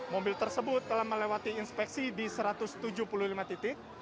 mobil tersebut telah melewati inspeksi di satu ratus tujuh puluh lima titik